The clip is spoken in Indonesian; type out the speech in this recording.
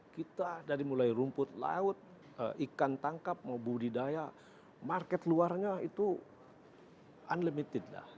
kita dari mulai rumput laut ikan tangkap mau budidaya market luarnya itu unlimited lah